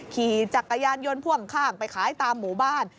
ขี่จักรยานยนต์พ่วงข้างไปขายตามหมู่บ้าน